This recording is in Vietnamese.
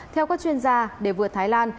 theo các chuyên gia để vượt thái lan